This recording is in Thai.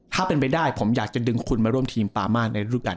ถ้าเป็นไปได้ผมอยากจะดึงคุณมาร่วมทีมปามาศในรูปการณ